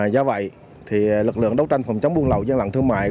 do vậy lực lượng đấu tranh phòng chống buôn lậu gian lận thương mại